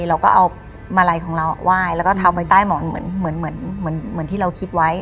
เราก็เอามาลัยของเราว่ายแล้วก็ทำไว้ใต้หมอนเหมือนเหมือนเหมือนเหมือนที่เราคิดไว้